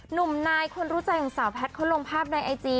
หนุ่มนายคนรู้ใจของสาวแพทย์เขาลงภาพในไอจี